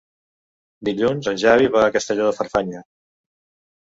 Dilluns en Xavi va a Castelló de Farfanya.